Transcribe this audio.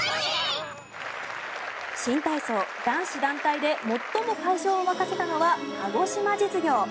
新体操男子団体で最も会場を沸かせたのは鹿児島実業。